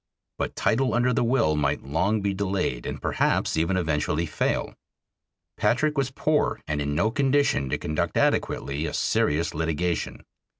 But title under the will might long be delayed and perhaps even eventually fail. Patrick was poor and in no condition to conduct adequately a serious litigation.